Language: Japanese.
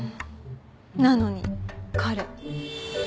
なのに彼。